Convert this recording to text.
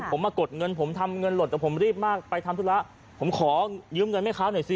ผมมากดเงินผมทำเงินหลดแต่ผมรีบมากไปทำธุระผมขอยืมเงินแม่ค้าหน่อยสิ